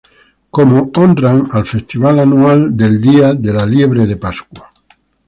Cómo honran al festival anual del Día de la Liebre de Pascua.